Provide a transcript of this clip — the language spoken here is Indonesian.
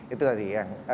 itu tadi ya